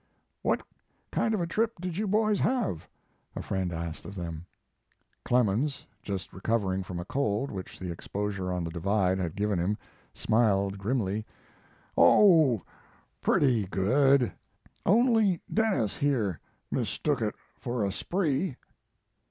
"What kind of a trip did you boys have?" a friend asked of them. Clemens, just recovering from a cold which the exposure on the Divide had given him, smiled grimly: "Oh, pretty good, only Denis here mistook it for a spree."